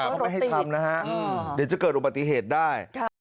เขาไม่ให้ทำนะฮะเดี๋ยวจะเกิดอุบัติเหตุได้